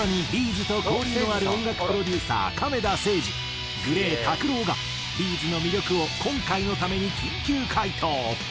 ’ｚと交流のある音楽プロデューサー亀田誠治ＧＬＡＹＴＡＫＵＲＯがＢ’ｚの魅力を今回のために緊急回答。